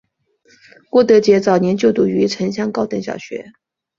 郭德洁早年就读于城厢高等小学。